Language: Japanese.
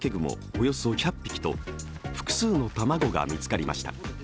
およそ１００匹と複数の卵が見つかりました。